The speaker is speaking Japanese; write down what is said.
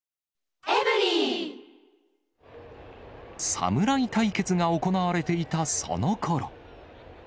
侍対決が行われていたそのころ。